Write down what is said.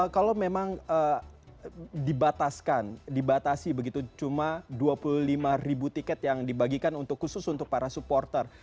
kalau memang dibatasi begitu cuma dua puluh lima ribu tiket yang dibagikan untuk khusus untuk para supporter